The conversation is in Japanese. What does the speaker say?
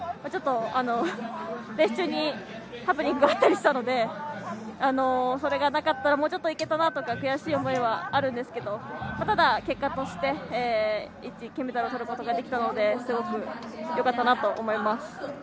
ちょっと、レース中にハプニングがあったりしたのでそれがなかったらもうちょっと行けたなとか悔しい思いはあるんですけどただ結果として１位、金メダルをとることができたのですごくよかったなと思います。